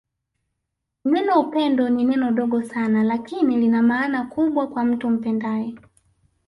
Neno upendo ni neno dogo Sana lakini Lina maana kubwa kwa mtu umpendae